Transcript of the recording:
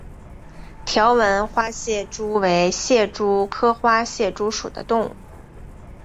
条纹花蟹蛛为蟹蛛科花蟹蛛属的动物。